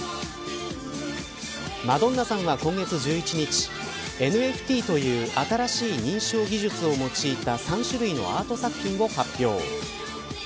マドンナさんが今月１１日ＮＦＴという新しい認証技術を用いた３種類のアート作品を発表。